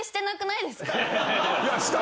いやした。